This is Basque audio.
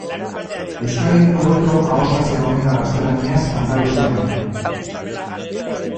Euskadin hobeto ahoskatzen omen da gaztelaniaz Andaluzian baino.